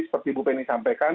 seperti ibu penny sampaikan